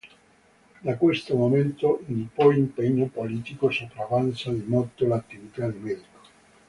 Da questo momento in poi l'impegno politico sopravanza di molto l'attività di medico.